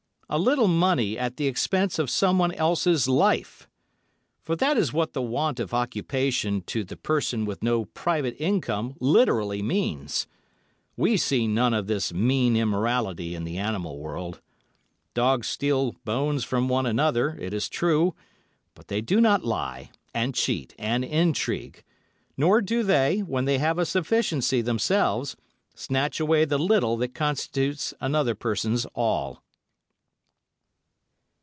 A little money at the expense of someone else's life! For that is what the want of occupation to the person with no private income literally means. We see none of this mean immorality in the animal world. Dogs steal bones from one another, it is true, but they do not lie, and cheat, and intrigue; nor do they, when they have a sufficiency themselves, snatch away the little that constitutes another person's all.